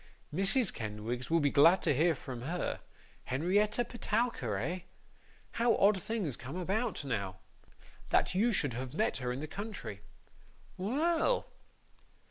Mrs. Kenwigs will be glad to hear from her. Henrietta Petowker, eh? How odd things come about, now! That you should have met her in the country! Well!